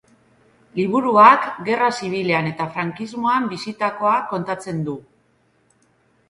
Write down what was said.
Liburuak gerra zibilean eta frankismoan bizitakoa kontatzen du.